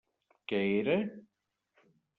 Què era?